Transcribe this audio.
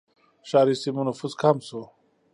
ښاري سیمو نفوس کم شو.